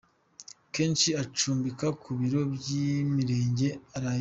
Kenshi acumbika ku biro by’imirenge arayemo.